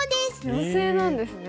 妖精なんですね。